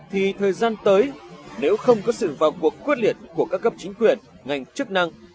thì thời gian tới nếu không có sự vào cuộc quyết liệt của các cấp chính quyền ngành chức năng